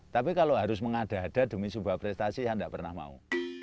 tapi kalau harus mengada ada demi sebuah prestasi saya tidak pernah mau